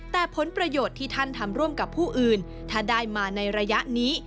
แต่ผลประโยชน์ที่ท่านทำร่วมกับผู้อื่นถ้าได้มาในระยะนี้